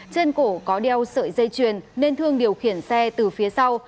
trên cổ có đeo sợi dây chuyền nên thương điều khiển xe từ phía sau